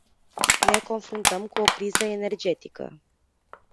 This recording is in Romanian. Ne confruntăm cu o criză energetică.